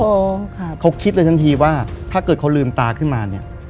โอ้โหเขาคิดเลยทันทีว่าถ้าเกิดเขาลืมตาขึ้นมาเนี่ย